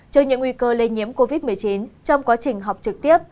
trước những nguy cơ lây nhiễm covid một mươi chín trong quá trình học trực tiếp